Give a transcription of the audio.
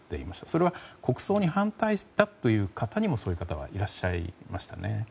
それは国葬に反対だという方にもそういう方はいらっしゃいましたね。